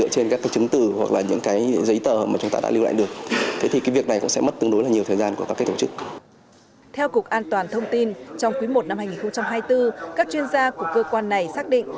theo cục an toàn thông tin trong quý i năm hai nghìn hai mươi bốn các chuyên gia của cơ quan này xác định